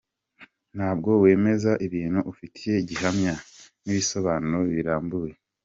Ntabwo wemeza ibintu ufitiye gihamya n’ibisobanuro birambuye.